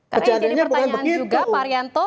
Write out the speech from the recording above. karena yang jadi pertanyaan juga pak arianto